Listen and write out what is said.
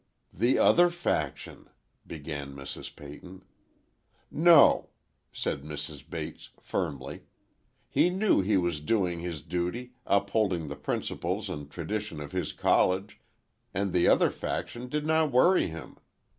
"The other faction," began Mrs. Peyton. "No," said Mrs. Bates, firmly. "He knew he was doing his duty, upholding the principles and tradition of his College, and the other faction did not worry him.